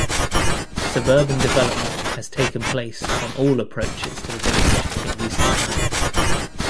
Suburban development has taken place on all approaches to the village in recent times.